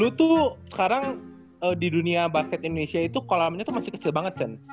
dulu tuh sekarang di dunia basket indonesia itu kolamnya tuh masih kecil banget kan